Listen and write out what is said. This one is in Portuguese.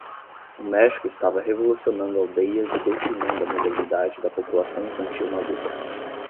O México estava revolucionando aldeias e doutrinando a modernidade da população infantil maluca.